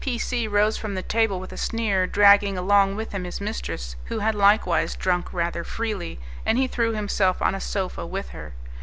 P C rose from the table with a sneer, dragging along with him his mistress, who had likewise drunk rather freely, and he threw himself on a sofa with her.